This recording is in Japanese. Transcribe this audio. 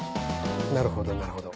なるほどなるほど。